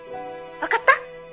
☎分かった？